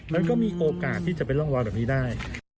มันก็มีโอกาสที่จะเป็นร่องรอยแบบนี้ได้